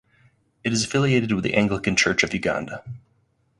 It is affiliated with the Anglican Church of Uganda.